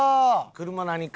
車何か。